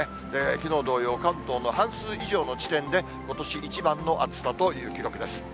きのう同様、関東の半数以上の地点で、ことし一番の暑さという記録です。